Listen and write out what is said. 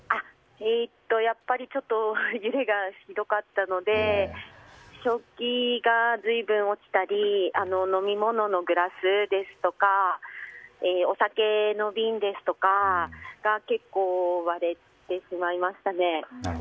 ちょっと揺れがひどかったので食器が随分落ちたり飲み物のグラスですとかお酒の瓶ですとかが結構割れてしまいましたね。